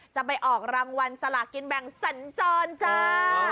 ไปออกรางวัลสลากินแบ่งสัญจรจ้า